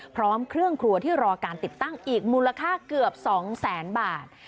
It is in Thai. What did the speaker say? พร้อมเครื่องครัวที่รอการติดตั้งอีกมูลค่าเกือบ๒แสนบาท